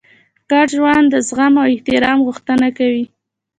ګډ ژوند د زغم او احترام غوښتنه کوي.